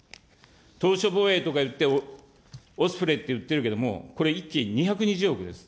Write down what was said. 島しょ防衛とかいって、オスプレイって言ってるけど、これ、１機２２０億です。